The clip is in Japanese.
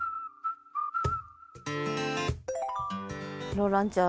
ローランちゃん